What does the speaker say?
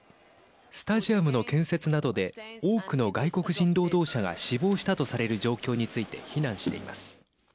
スタジアムの建設などで多くの外国人労働者が死亡したとされる状況について非難しています。